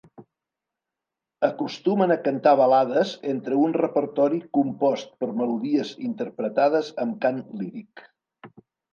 Acostumen a cantar balades entre un repertori compost per melodies interpretades amb cant líric.